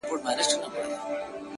بلا وهلی يم، چي تا کوم بلا کومه،